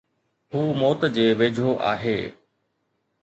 هو موت جي ويجهو آهي